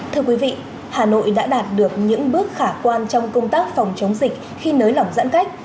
thưa quý vị hà nội đã đạt được những bước khả quan trong công tác phòng chống dịch khi nới lỏng giãn cách